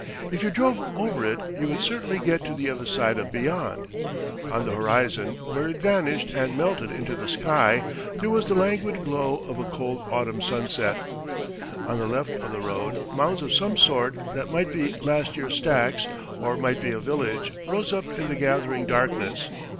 If you drove over it you would certainly get to the other side of beyond. On the horizon, where it vanished and melted into the sky, there was the languid glow of a cold autumn sunset. ... On the left of the road, mounds of some sort, that might be last year's stacks or might be a village, rose up in the gathering darkness.